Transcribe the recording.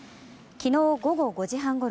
昨日午後５時半ごろ